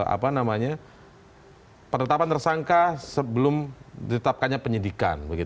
apa namanya penetapan tersangka sebelum ditetapkannya penyidikan